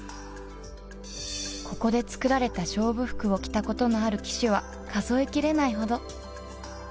ここで作られた勝負服を着たことのある騎手は数え切れないほど